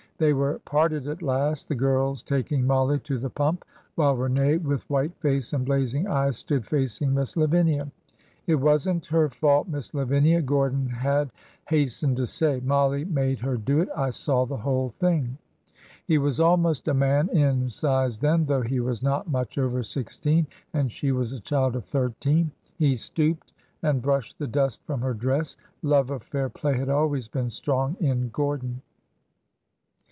They were parted at last, the girls taking Mollie to the pump, while Rene with white face and blazing eyes stood facing Miss Lavinia. It was n't her fault. Miss Lavinia," Gordon had has tened to say. Mollie made her do it. I saw the whole thing." He was almost a man in size then, though he was not much over sixteen, and she was a child of thirteen. He stooped and brushed the dust from her dress. Love of fair play had always been strong in Gordon.